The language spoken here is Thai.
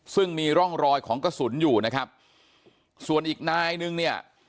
ซึ่งมีร่องรอยของกระสุนอยู่นะครับส่วนอีกนายนึงเนี่ย